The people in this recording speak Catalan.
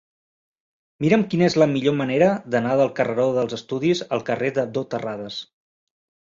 Mira'm quina és la millor manera d'anar del carreró dels Estudis al carrer d'Abdó Terradas.